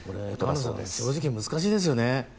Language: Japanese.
正直、難しいですよね。